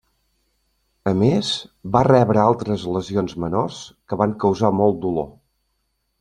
A més, va rebre altres lesions menors que van causar molt dolor.